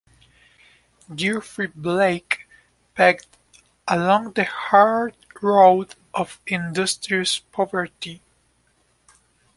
Geoffrey Blake pegged along the hard road of industrious poverty.